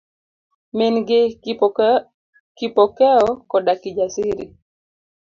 Min gi, Kipokeo koda Kijasiri.